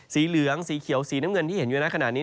สีเหลืองสีเขียวสีน้ำเงินที่เห็นอยู่ในขณะนี้